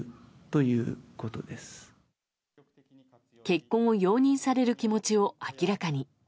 結婚を容認される気持ちを明らかに。